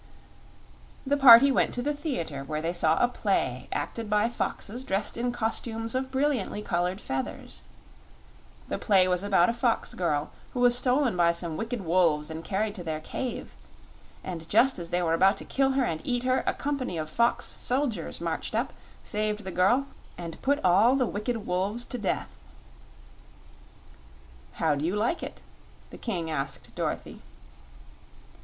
The party went to the theater, where they saw a play acted by foxes dressed in costumes of brilliantly colored feathers. The play was about a fox girl who was stolen by some wicked wolves and carried to their cave; and just as they were about to kill her and eat her a company of fox soldiers marched up, saved the girl, and put all the wicked wolves to death. "How do you like it?" the King asked Dorothy.